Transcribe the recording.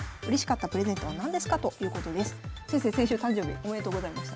先週誕生日おめでとうございました。